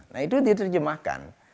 nah itu diterjemahkan